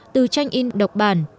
từ tranh in độc bản